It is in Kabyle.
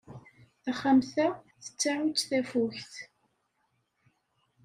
Taxxamt-a tettaɛu-tt tafukt.